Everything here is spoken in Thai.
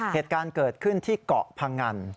เหตุการณ์เกิดขึ้นที่เกาะพงัน